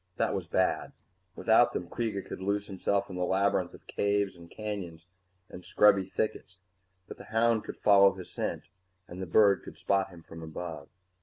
That was bad. Without them, Kreega could lose himself in the labyrinth of caves and canyons and scrubby thickets but the hound could follow his scent and the bird could spot him from above.